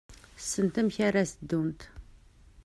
Ssnent amek ara s-ddunt.